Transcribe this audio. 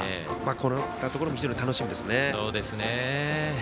こういったところも１つ楽しみですね。